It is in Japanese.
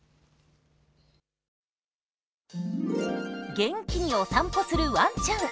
元気にお散歩するワンちゃん。